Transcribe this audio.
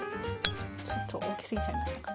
ちょっと大きすぎちゃいましたかね。